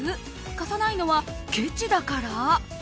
貸さないのはケチだから？